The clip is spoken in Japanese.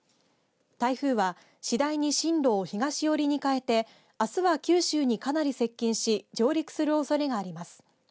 台風は次第に進路を東寄りに変えて、あすは九州にかなり接近し上陸するおそれがあります。